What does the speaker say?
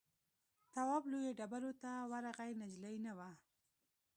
تواب لویو ډبرو ته ورغی نجلۍ نه وه.